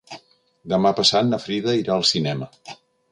Demà passat na Frida irà al cinema.